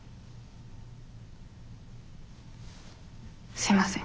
すいません。